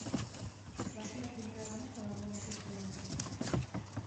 Va ser la primera dona que va guanyar aquest premi.